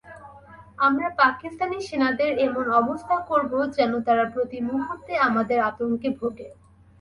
আমরা পাকিস্তানি সেনাদের এমন অবস্থা করব, যেন তারা প্রতিমুহূর্তে আমাদের আতঙ্কে ভোগে।